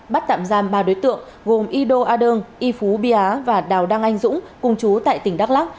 bắt tạm giam ba đối tượng gồm y đô a đơn y phú bia và đào đăng anh dũng cùng chú tại tp đắk lắc